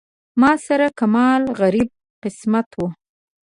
ما سره کمال غریب قسمت و.